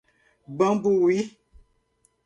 Bambuí